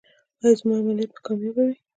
ایا زما عملیات به کامیابه وي؟